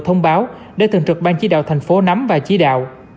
thông báo để thường trực ban chí đạo thành phố nắm và chỉ đạo